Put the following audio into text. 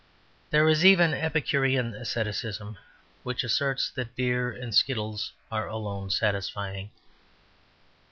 There is even epicurean asceticism, which asserts that beer and skittles are alone satisfying.